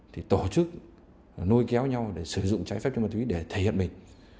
thì tổ chức nuôi kéo nhau để sử dụng trái phép chất ma túy để thể hiện mình